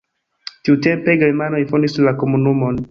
Tiutempe germanoj fondis la komunumon.